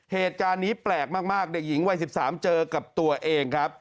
เหตุการณ์นี้แปลกมากเด็กหญิงวัย๑๓เจอกับตัวเองครับ